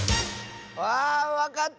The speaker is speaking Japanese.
あわかった！